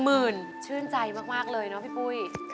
๑๐๐๐๐บาทชื่นใจมากเลยนะพี่ปุ้ย